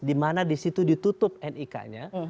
dimana disitu ditutup nik nya